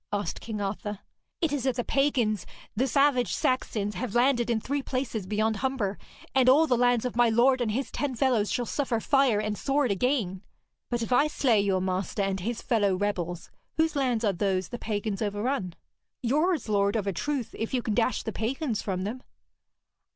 asked King Arthur. 'It is that the pagans, the savage Saxons, have landed in three places beyond Humber, and all the lands of my lord and his ten fellows shall suffer fire and sword again.' 'But if I slay your master and his fellow rebels, whose lands are those the pagans overrun?' 'Yours, lord, of a truth, if you can dash the pagans from them.'